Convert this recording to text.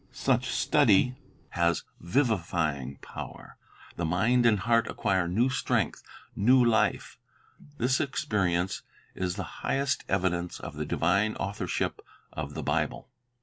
Such study has vivifying power. The mind and heart acquire new strength, new life. This experience is the highest evidence of the divine authorship of the Bible.